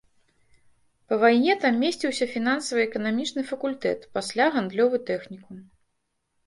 Па вайне там месціўся фінансава-эканамічны факультэт, пасля гандлёвы тэхнікум.